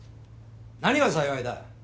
何が「幸い」だ！